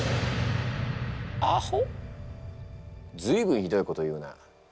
随分ひどいこと言うなあ。